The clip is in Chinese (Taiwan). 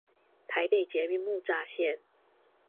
台北捷運木柵線